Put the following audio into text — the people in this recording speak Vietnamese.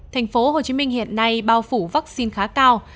thành phố hồ chí minh hiện nay bao phủ vaccine khá cao